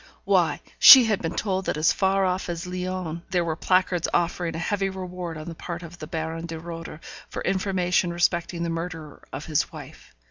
Why, she had been told that as far off as Lyons there were placards offering a heavy reward on the part of the Baron de Roeder for information respecting the murderer of his wife.